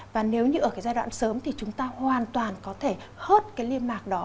và nếu như ở giai đoạn sớm thì chúng ta hoàn toàn có thể hết liên mạc đó